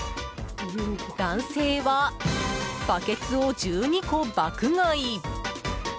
男性はバケツを１２個、爆買い。